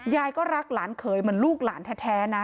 ยายก็รักหลานเขยเหมือนลูกหลานแท้นะ